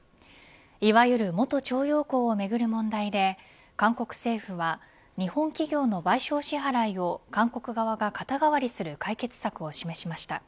いわゆる元徴用工をめぐる問題で韓国政府は日本企業の賠償支払いを韓国側が肩代わりする解決策を示しました。